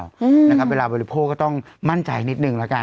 เวลาบริโภคก็ต้องมั่นใจนิดนึงละกัน